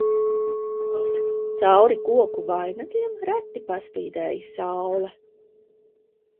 Cauri koku vainagiem reti paspīdēja saule.